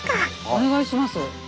お願いします。